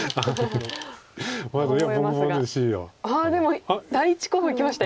ああでも第１候補いきましたよ。